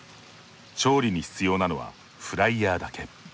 調理に必要なのはフライヤーだけ。